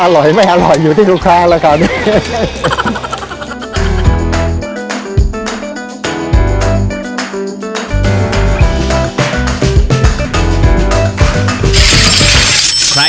อร่อยไม่อร่อยอยู่ที่ลูกค้าแหละ